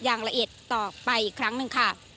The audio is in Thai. อย่างละเอียดต่อไปอีกครั้งหนึ่งค่ะ